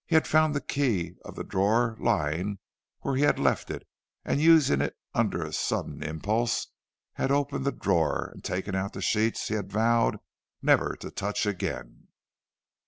He had found the key of the drawer lying where he had left it, and, using it under a sudden impulse, had opened the drawer and taken out the sheets he had vowed never to touch again.